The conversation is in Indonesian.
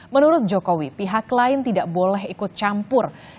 menurut jokowi pihak lain tidak boleh ikut campur